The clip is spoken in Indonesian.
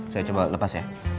saya coba lepas ya